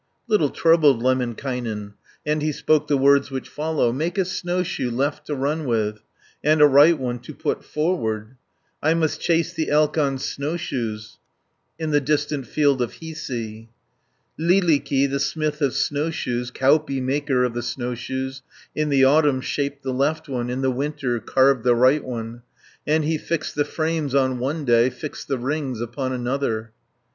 Little troubled Lemminkainen, And he spoke the words which follow: 60 "Make a snowshoe left to run with, And a right one to put forward! I must chase the elk on snowshoes, In the distant field of Hiisi." Lyylikki, the smith of snowshoes, Kauppi, maker of the snowshoes, In the autumn shaped the left one, In the winter carved the right one, And he fixed the frames on one day, Fixed the rings upon another.